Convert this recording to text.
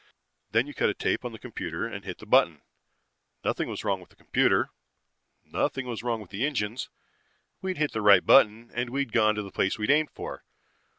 Then you cut a tape on the computer and hit the button. Nothing was wrong with the computer. Nothing was wrong with the engines. We'd hit the right button and we'd gone to the place we'd aimed for.